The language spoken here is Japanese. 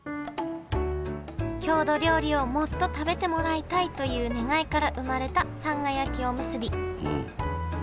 郷土料理をもっと食べてもらいたいという願いから生まれたさんが焼きおむすび。